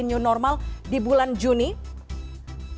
jadi kita tegaskan lagi ini adalah masa transisi